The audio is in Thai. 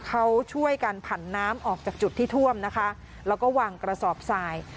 เขาช่วยกันผันน้ำออกจากจุดที่ท่วมนะคะแล้วก็วางกระสอบทราย